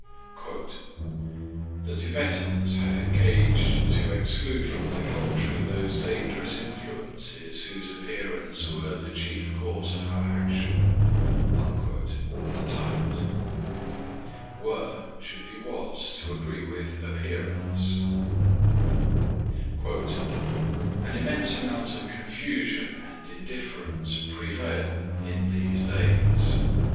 (3) "The Tibetans have engaged to exclude from their country those dangerous influences whose appearance were the chief cause of our action." The Times. (Should be was to agree with appearance.) (4) "An immense amount of confusion and indifference prevail in these days."